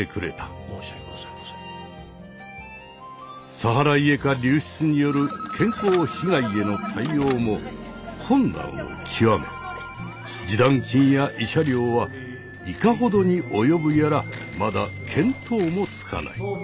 サハライエカ流出による健康被害への対応も困難を極め示談金や慰謝料はいかほどに及ぶやらまだ見当もつかない。